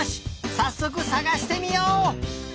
さっそくさがしてみよう！